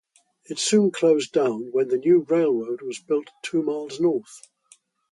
It soon closed down when the new railroad was built two miles north.